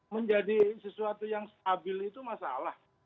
menjadi sesuatu yang stabil itu masalah